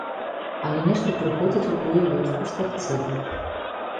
Але нешта прыходзяць у тую вёску старцы.